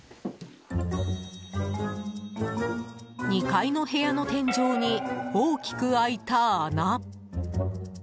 ２階の部屋の天井に大きく開いた穴。